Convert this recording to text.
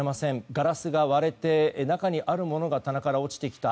ガラスが割れて中にあるものが棚から落ちてきた。